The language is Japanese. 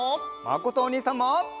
まことおにいさんも！